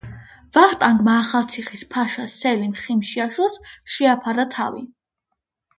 ვახტანგმა ახალციხის ფაშა სელიმ ხიმშიაშვილს, შეაფარა თავი.